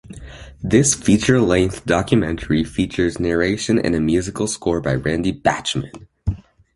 This feature-length documentary features narration and a musical score by Randy Bachman.